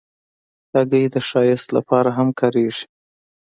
هګۍ د ښایست لپاره هم کارېږي.